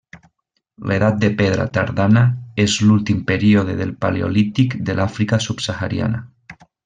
L'edat de pedra tardana és l'últim període del paleolític de l'Àfrica subsahariana.